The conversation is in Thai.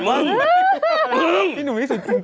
เป็นการกระตุ้นการไหลเวียนของเลือด